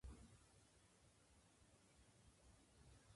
They also used the Ethiopians as a proxy army against the Sudanese Mahdists.